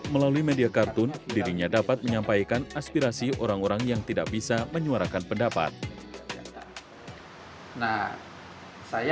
suara suara yang kecil orang orang yang tidak bisa bersuara ke ini